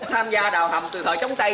tham gia đào hầm từ thời chống tây